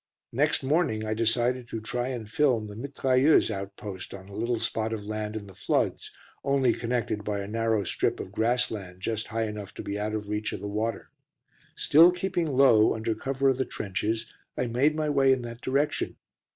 Next morning I decided to try and film the mitrailleuse outpost on a little spot of land in the floods, only connected by a narrow strip of grass land just high enough to be out of reach of the water. Still keeping low under cover of the trenches, I made my way in that direction.